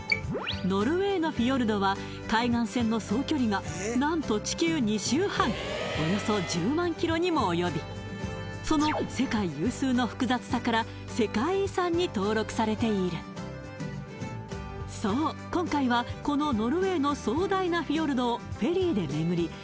ノルウェーのフィヨルドは海岸線の総距離が何と地球２周半およそ１０万キロにも及びその世界有数の複雑さから世界遺産に登録されているそう今回はこのノルウェーの壮大なフィヨルドをフェリーで巡り